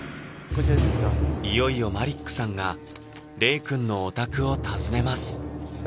いよいよマリックさんが玲くんのお宅を訪ねます